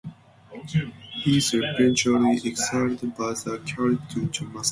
He is eventually exiled by the Caliph to Damascus.